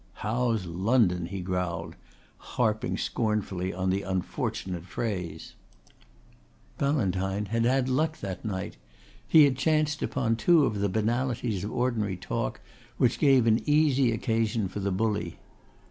"How's London!" he growled, harping scornfully on the unfortunate phrase. Ballantyne had had luck that night. He had chanced upon two of the banalities of ordinary talk which give an easy occasion for the bully.